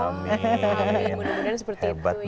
mudah mudahan seperti itu ya